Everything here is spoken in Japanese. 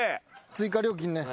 追加料金ね。